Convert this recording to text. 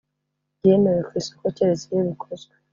yemerewe ku isoko keretse iyo bikozwe